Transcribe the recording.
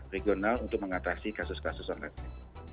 regional untuk mengatasi kasus kasus online